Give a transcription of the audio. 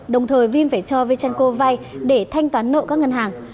đồng thời vin phải cho viettranco vai để thanh toán nợ các ngân hàng